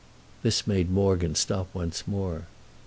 This made Morgan stop once more.